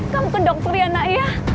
kamu ke dokter ya nak ya